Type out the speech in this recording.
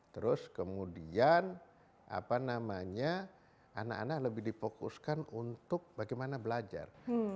terus kemudian apa namanya anak anak lebih difokuskan untuk bagaimana belajar